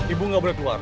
ibu gak boleh keluar